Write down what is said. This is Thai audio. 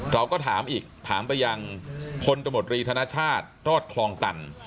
เราก็ถามอีกถามไปยังพลตมตรีธนชาติรอดคลองตัน